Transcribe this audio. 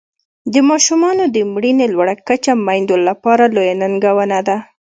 د ماشومانو د مړینې لوړه کچه میندو لپاره لویه ننګونه ده.